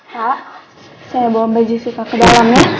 pak saya bawa baju jessica ke dalam ya